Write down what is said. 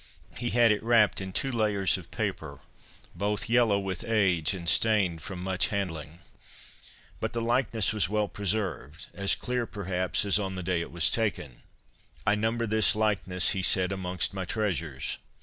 He had it wrapped in two layers of paper, both yellow with age and stained from much handling. But the likeness was well preserved, as clear, perhaps, as on the day it was taken. ' I number this likeness,' he said, ' amongst my treasures.